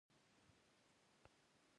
تخنیکونه او سیاسي اخلاق باید مرسته وکړي.